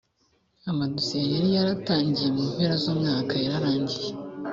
amadosiye yari yaratangiye mu mpera z umwaka yarangiye